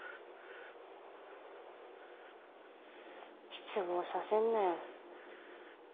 失望させんなよ。